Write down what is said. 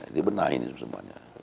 ini benar ini semuanya